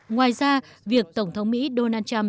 ngoài ra việc tổng thống mỹ donald trump